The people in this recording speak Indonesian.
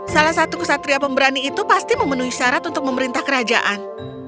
salah satu kesatria pemberani itu pasti memenuhi syarat untuk memerintah kerajaan